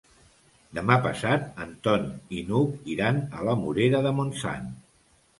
Demà passat en Ton i n'Hug iran a la Morera de Montsant.